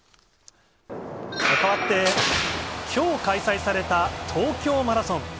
変わって、きょう開催された東京マラソン。